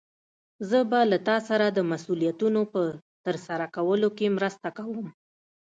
زه به له تا سره د مسؤليتونو په ترسره کولو کې مرسته کوم.